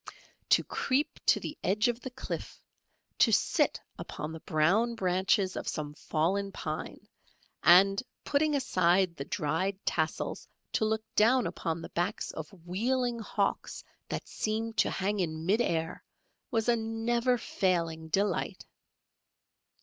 To creep to the edge of the cliff, to sit upon the brown branches of some fallen pine, and putting aside the dried tassels to look down upon the backs of wheeling hawks that seemed to hang in mid air was a never failing delight.